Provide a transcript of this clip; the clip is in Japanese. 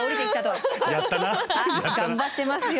頑張ってますよ。